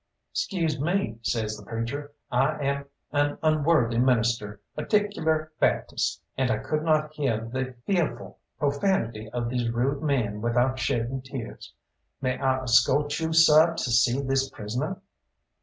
"'Scuse me," says the preacher, "I am an unworthy minister, a 'Ticular Baptist, and I could not heah the feahful profanity of these rude men without shedding tears. May I esco't you, seh, to see this prisoner?"